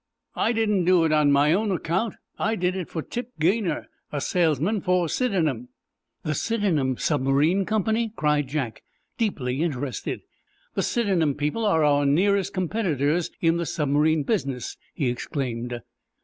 "I didn't do it on my own account. I did it for Tip Gaynor, a salesman for Sidenham." "The Sidenham Submarine Company?" cried Jack, deeply interested. "The Sidenham people are our nearest competitors in the submarine business!" he exclaimed.